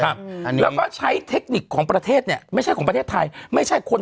อันนี้แล้วก็ใช้เทคนิคของประเทศเนี่ยไม่ใช่ของประเทศไทยไม่ใช่คน